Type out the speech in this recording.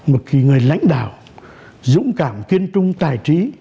một khi người lãnh đạo dũng cảm kiên trung tài trí